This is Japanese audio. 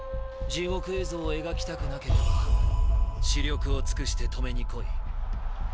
地獄絵図を描きたくなければ死力を尽くして止めに来い。